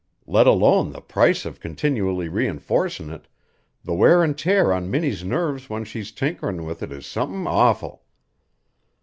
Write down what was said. Let alone the price of continually reenforcin' it, the wear an' tear on Minnie's nerves when she's tinkerin' with it is somethin' awful.